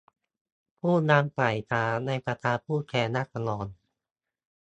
ผู้นำฝ่ายค้านในสภาผู้แทนราษฎร